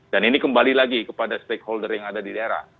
dan ini kembali lagi kepada stakeholder yang ada di daerah